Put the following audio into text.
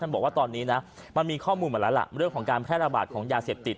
บอกว่าตอนนี้นะมันมีข้อมูลมาแล้วล่ะเรื่องของการแพร่ระบาดของยาเสพติด